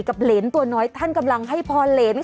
เหรนตัวน้อยท่านกำลังให้พรเหรนค่ะ